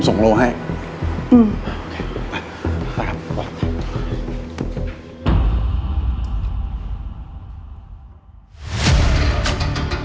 ส่งโลให้อืม